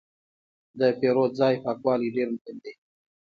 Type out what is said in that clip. د پیرود ځای پاکوالی ډېر مهم دی.